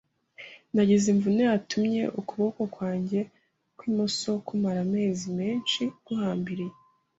Nagize imvune yatumye ukuboko kwanjye kw’imoso kumara amezi menshi guhambiriye